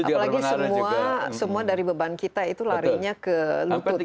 apalagi semua dari beban kita itu larinya ke lutut